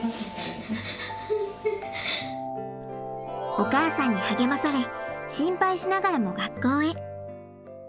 お母さんに励まされ心配しながらも学校へ。